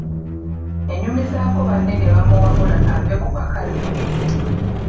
Yanyumizaako banne ne bamuwabula ave ku bakazi.